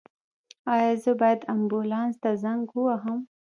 ایا زه باید امبولانس ته زنګ ووهم؟